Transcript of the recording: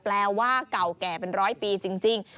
แปลว่าเก่าแก่เป็นร้อยปีจริง